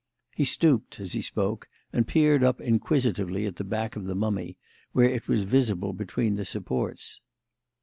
He stooped, as he spoke, and peered up inquisitively at the back of the mummy, where it was visible between the supports.